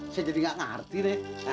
saya jadi gak ngerti deh